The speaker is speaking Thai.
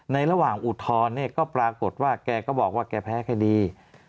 ระหว่างอุทธรณ์เนี่ยก็ปรากฏว่าแกก็บอกว่าแกแพ้คดี